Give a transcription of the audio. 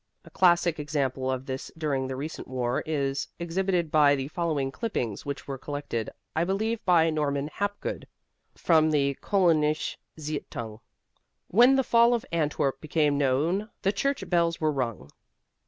A classic example of this during the recent war is exhibited by the following clippings which were collected, I believe, by Norman Hapgood: From the Koelnische Zeitung: "When the fall of Antwerp became known the church bells were rung."